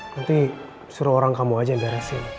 nanti suruh orang kamu aja yang biarin resim